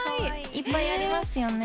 いっぱいありますよね。